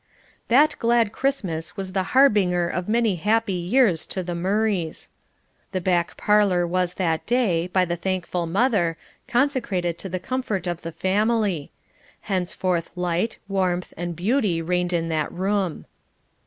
That glad Christmas was the harbinger of many happy years to the Murrays. The back parlour was that day, by the thankful mother, consecrated to the comfort of the family thenceforth light, warmth, and beauty reigned in that room.